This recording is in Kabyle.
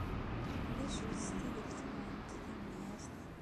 D acu-tt tidelt-nwent tamenyaft?